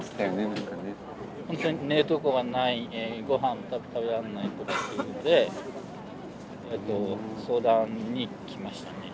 ほんとに寝るとこがないごはん食べらんないとかっていうので相談に来ましたね。